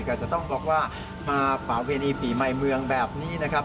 ก็จะต้องบอกว่ามาปราเวณีปีใหม่เมืองแบบนี้นะครับ